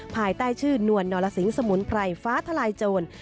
ภายใต้ชื่อนวลนรสิงสมุนไพรฟ้าทลายโจร